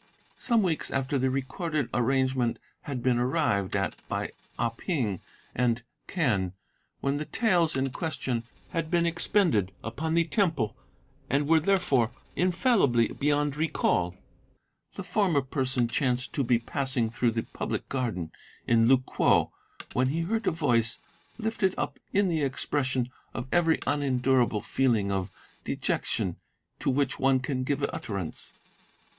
"Some weeks after the recorded arrangement had been arrived at by Ah Ping and Quen, when the taels in question had been expended upon the Temple and were, therefore, infallibly beyond recall, the former person chanced to be passing through the public garden in Lu kwo when he heard a voice lifted up in the expression of every unendurable feeling of dejection to which one can give utterance.